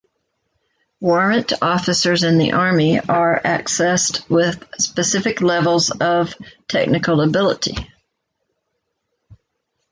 Warrant officers in the Army are accessed with specific levels of technical ability.